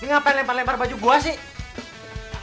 nih ngapain lempar lemar baju gue sih